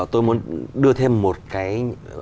tôi muốn đưa thêm một cái